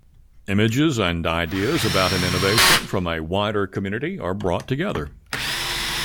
Images and ideas about an innovation from a wider community are brought together.